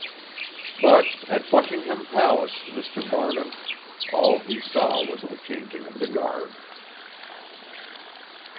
But at Buckingham Palace, Mr. Barnum, all he saw was the changing of the guard.